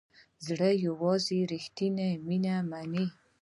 زړه یوازې ریښتیني مینه مني.